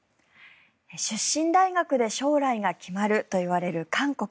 出身大学で将来が決まるといわれる韓国。